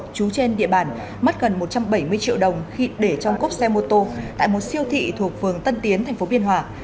trú trên địa bàn mất gần một trăm bảy mươi triệu đồng khi để trong cốp xe mô tô tại một siêu thị thuộc phường tân tiến tp biên hòa